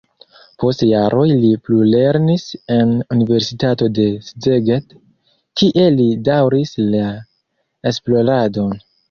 Post jaroj li plulernis en universitato de Szeged, kie li daŭris la esploradon.